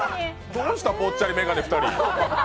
どうした、ぽっちゃり眼鏡２人。